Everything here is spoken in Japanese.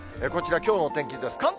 こちら、きょうの天気図です。